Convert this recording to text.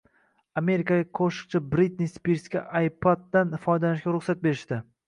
Amerikalik qo‘shiqchi Britni Spirsga iPad’dan foydalanishga ruxsat berishdi